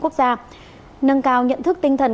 quốc gia nâng cao nhận thức tinh thần